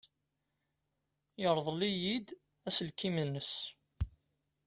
Yerḍel-iyi-d aselkim-nnes.